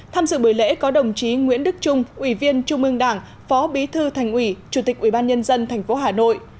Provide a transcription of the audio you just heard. tham dự buổi lễ có đồng chí nguyễn đức trung ủy viên trung ương đảng phó bí thư thành ủy chủ tịch ubnd tp hà nội